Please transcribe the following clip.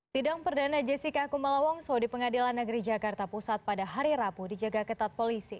sidang perdana jessica kumala wongso di pengadilan negeri jakarta pusat pada hari rabu dijaga ketat polisi